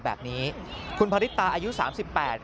แล้วเมื่อกี้แลนด์มันอยู่ตรงเรา